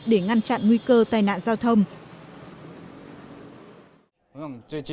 để ngăn chặn nguy cơ tai nạn giao thông